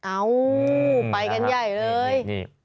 เอ้าไปกันใหญ่เลย